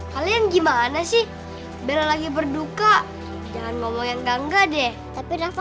kalian gimana sih bella lagi berduka jangan ngomong yang gangga deh tapi rafa